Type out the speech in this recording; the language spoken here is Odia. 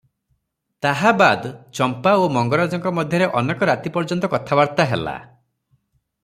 ତାହାବାଦ୍ ଚମ୍ପା ଓ ମଙ୍ଗରାଜଙ୍କ ମଧ୍ୟରେ ଅନେକ ରାତି ପର୍ଯ୍ୟନ୍ତ କଥାବାର୍ତ୍ତା ହେଲା ।